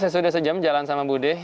saya sudah sejam jalan sama bu deh